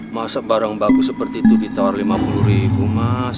masa barang baku seperti itu ditawar lima puluh ribu mas